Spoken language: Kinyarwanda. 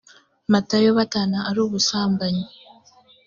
matayo batana ari ubusambanyi